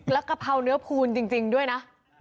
แล้วกะเพราเนื้อพูนจริงด้วยนะ